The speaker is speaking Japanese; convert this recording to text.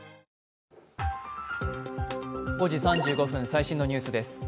最新のニュースです。